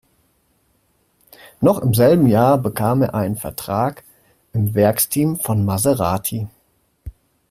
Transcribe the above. Noch im selben Jahr bekam er einen Vertrag im Werksteam von Maserati.